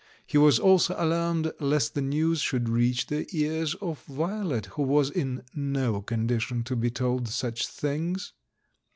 He was also alarmed lest the news should reach the ears of Violet, who was in no condition to be told such things.